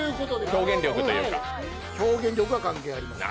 表現力は関係あります。